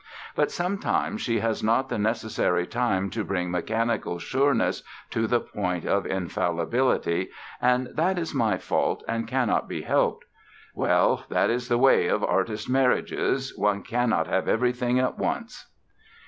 But sometimes she has not the necessary time to bring mechanical sureness to the point of infallibility and that is my fault and cannot be helped.... Well, that is the way of artist marriages—one cannot have everything at once."